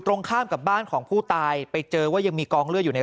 ตรงข้ามกับบ้านของผู้ตายไปเจอว่ายังมีกองเลือดอยู่ใน